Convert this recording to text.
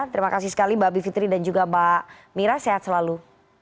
terima kasih sekali mbak bivitri dan juga mbak mira sehat selalu